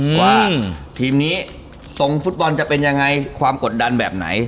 ว่าทีมนี้ทรงฟุตบอลจะเป็นยังไงความกดดันแบบไหน